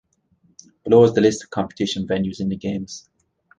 Below is the list of competition venues in the Games.